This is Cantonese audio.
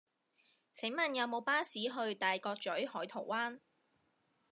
請問有無巴士去大角嘴海桃灣